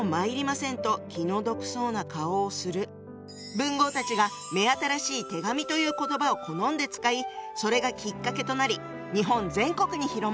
文豪たちが目新しい「手紙」という言葉を好んで使いそれがきっかけとなり日本全国に広まったってわけ！